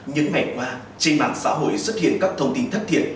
những ngày qua trên mạng xã hội xuất hiện các thông tin thất thiệt